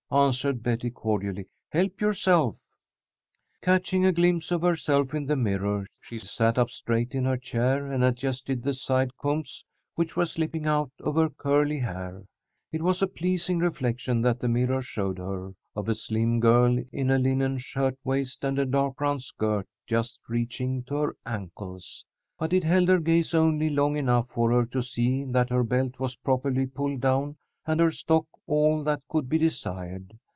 answered Betty, cordially. "Help yourself." Catching a glimpse of herself in the mirror, she sat up straight in her chair, and adjusted the side combs which were slipping out of her curly hair. It was a pleasing reflection that the mirror showed her, of a slim girl in a linen shirt waist and a dark brown skirt just reaching to her ankles. But it held her gaze only long enough for her to see that her belt was properly pulled down and her stock all that could be desired.